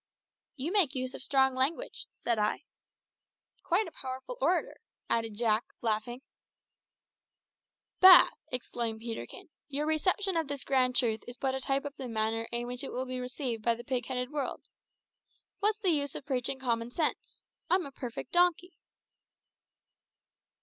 "You make use of strong language," said I. "Quite a powerful orator," added Jack, laughing. "Bah!" exclaimed Peterkin; "your reception of this grand truth is but a type of the manner in which it will be received by the pig headed world. What's the use of preaching common sense? I'm a perfect donkey!"